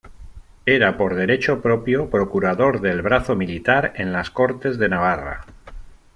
Era por derecho propio procurador del brazo militar en las Cortes de Navarra.